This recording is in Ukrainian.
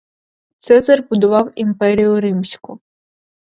Цезар будував імперію римську.